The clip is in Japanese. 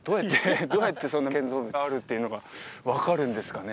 どうやってそんな建造物があるっていうのが分かるんですかね？